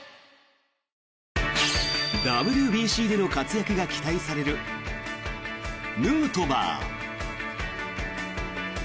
ＷＢＣでの活躍が期待されるヌートバー。